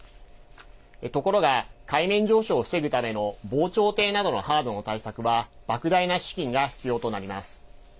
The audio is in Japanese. ところが、海面上昇を防ぐための防潮堤などのハードの対策はばく大な資金が必要となります。